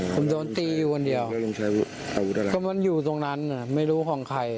ผมโดนตีอยู่คนเดียวก็มันอยู่ตรงนั้นไม่รู้ของใคร